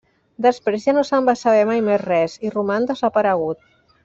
Després ja no se'n va saber mai més res, i roman desaparegut.